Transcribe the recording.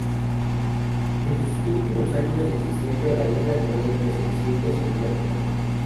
En sus últimos años de existencia, la isla tenía entre seiscientos y mil habitantes.